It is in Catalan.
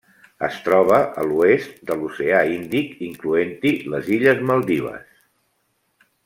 Es troba a l'oest de l'Oceà Índic, incloent-hi les illes Maldives.